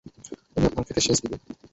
উনি আপনার ক্ষেতে সেচ দিবে।